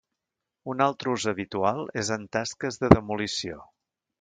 Un altre ús habitual és en tasques de demolició.